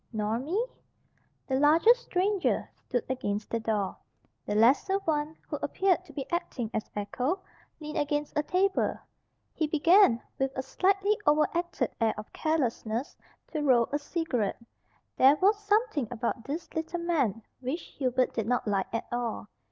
"Nor me?" The larger stranger stood against the door. The lesser one, who appeared to be acting as echo, leaned against a table. He began, with a slightly overacted air of carelessness, to roll a cigarette. There was something about this little man which Hubert did not like at all.